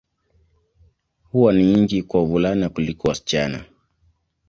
Huwa ni nyingi kwa wavulana kuliko wasichana.